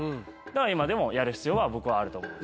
だから今でもやる必要は僕はあると思う。